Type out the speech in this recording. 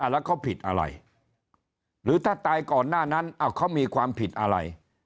แล้วเขาผิดอะไรหรือถ้าตายก่อนหน้านั้นเขามีความผิดอะไร